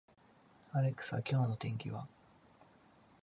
アレクサ、今日の天気は